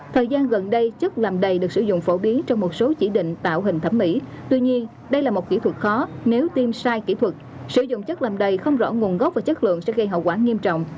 thời gian gần đây chất làm đầy được sử dụng phổ biến trong một số chỉ định tạo hình thẩm mỹ tuy nhiên đây là một kỹ thuật khó nếu tiêm sai kỹ thuật sử dụng chất làm đầy không rõ nguồn gốc và chất lượng sẽ gây hậu quả nghiêm trọng